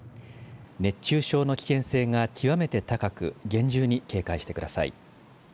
熱中症の危険性が極めて高く厳重に警戒してください。